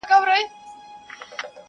هم ښکاري وو هم ښه پوخ تجریبه کار وو,